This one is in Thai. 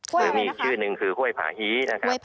ซึ่งมีอีกชื่อนึงคือห้วยผาหี้